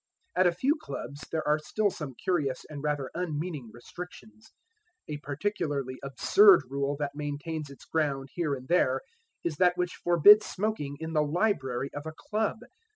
At a few clubs there are still some curious and rather unmeaning restrictions. A particularly absurd rule that maintains its ground here and there, is that which forbids smoking in the library of a club.